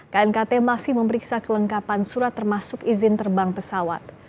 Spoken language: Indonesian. knkt masih memeriksa kelengkapan surat termasuk izin terbang pesawat